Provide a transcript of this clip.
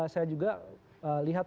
saya juga lihat